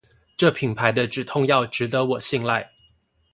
這品牌的止痛藥值得我信賴